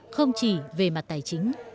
không chỉ về mặt tài chính